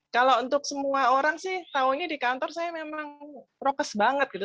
kalau untuk semua orang sih taunya di kantor saya memang prokes banget gitu